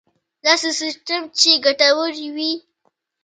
داسې سیستم چې ګټور وي.